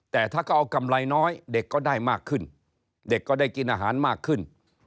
แต่ถ้าเขาเอากำไรน้อยเด็กก็ได้มากขึ้นเด็กก็ได้กินอาหารมากขึ้น